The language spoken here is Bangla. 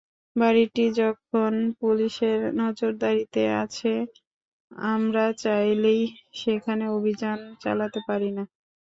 বাড়িটি এখন পুলিশের নজরদারিতে আছে আমরা চাইলেই সেখানে অভিযান চালাতে পারি না।